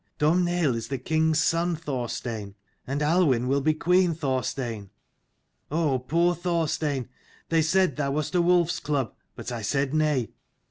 Domhnaill is the king's son, Thorstein: and Aluinn will be queen, Thorstein. Oh poor Thorstein, they said thou wast a wolf's cub : but I said nay.